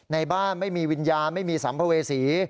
ในบ้านไม่มีวิญญาณไม่มีสัมภเวษี